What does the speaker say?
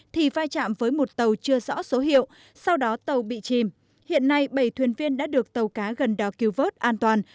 thì vai trạm với một tàu chưa rõ số hiệu sau đó tàu bị chìm hiện nay bảy thuyền viên đã được tàu cá gần đó cứu vớt an toàn